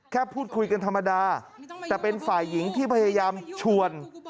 พูดคุยกันธรรมดาแต่เป็นฝ่ายหญิงที่พยายามชวน